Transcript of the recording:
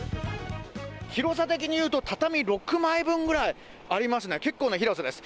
広さ的に言うと、畳６枚分ぐらいありますね、結構な広さです。